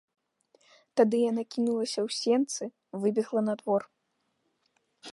Тады яна кінулася ў сенцы, выбегла на двор.